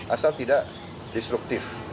asal tidak destruktif